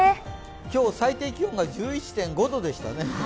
今日最低気温が１１．５度でしたね。